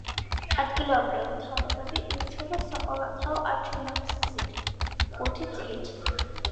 ადგილობრივი მთავრობები ირჩევა საყოველთაო არჩევნების გზით, ხუთი წლით.